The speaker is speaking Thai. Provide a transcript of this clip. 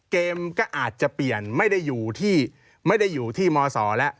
เกมก็อาจจะเปลี่ยนไม่ได้อยู่ที่มศแล้ว